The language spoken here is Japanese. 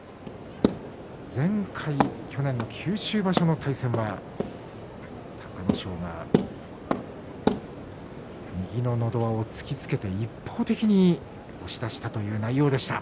前回２年の九州場所、隆の勝が右ののど輪を突きつけて一方的に押し出したという内容でした。